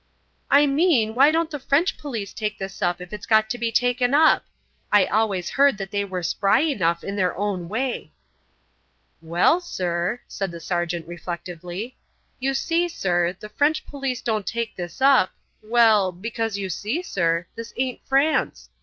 "I mean, why don't the French police take this up if it's got to be taken up? I always heard that they were spry enough in their own way." "Well, sir," said the sergeant reflectively, "you see, sir, the French police don't take this up well, because you see, sir, this ain't France.